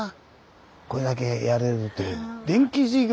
これだけやれるって。